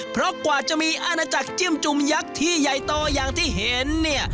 เพราะกว่าจะมีอาณาจักรจิ้มจุ่มยักษ์ที่ใหญ่โตอย่างที่เห็นเนี่ย